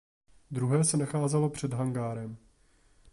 Druhé se nacházelo před hangárem.